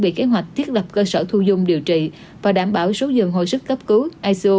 hiện thành phố đã thiết lập cơ sở thu dung điều trị và đảm bảo số dường hồi sức cấp cứu